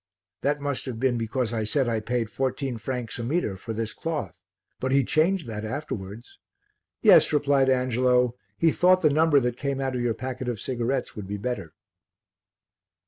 "That must have been because I said I paid 14 francs a metre for this cloth. But he changed that afterwards." "Yes," replied Angelo. "He thought the number that came out of your packet of cigarettes would be better."